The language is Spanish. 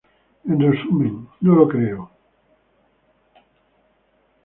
En resumen: No lo creo.